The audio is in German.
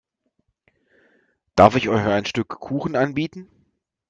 Darf ich euch ein Stück Kuchen anbieten?